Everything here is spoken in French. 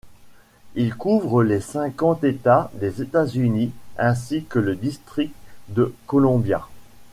Il couvre les cinquante états des États-Unis ainsi que le district de Columbia.